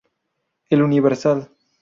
El universal.